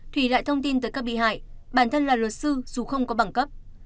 thủy lại thông tin tới các bị hại bản thân là luật sư dù không có bằng cấp